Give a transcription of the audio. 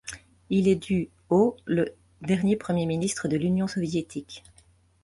Il est du au le dernier premier ministre de l’Union soviétique.